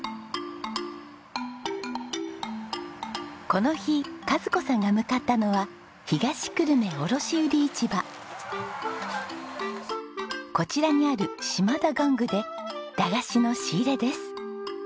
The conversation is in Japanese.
この日和子さんが向かったのはこちらにある島田玩具で駄菓子の仕入れです。